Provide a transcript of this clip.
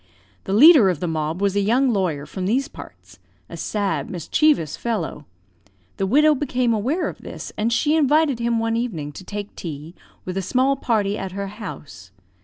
"The leader of the mob was a young lawyer from these parts, a sad, mischievous fellow; the widow became aware of this, and she invited him one evening to take tea with a small party at her house.